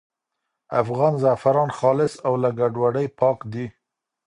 افغان زعفران خالص او له ګډوډۍ پاک دي.